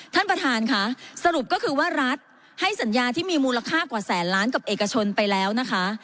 ท่านประธานค่ะสรุปก็คือว่ารัฐให้สัญญาที่มีมูลค่ากว่าแสนล้านกับเอกชนไปแล้วนะคะ